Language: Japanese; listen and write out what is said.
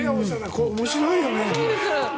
これ面白いよね。